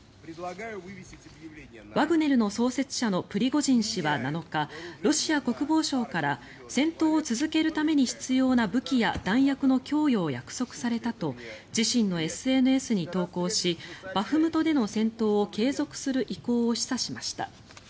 ワグネルの創設者のプリゴジン氏は７日ロシア国防省から戦闘を続けるために必要な武器や弾薬の供与を約束されたと自身のＳＮＳに投稿しバフムトでの戦闘を継続する意向を示唆しました。